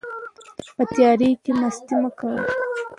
په تیارو کې مستي مه کوئ.